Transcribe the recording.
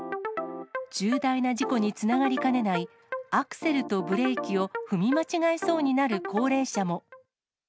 重大な事故につながりかねないアクセルとブレーキを踏み間違えそうになる高齢者も。